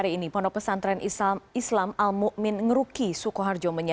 setelah langitkan milik syarikat zatang dan barangnya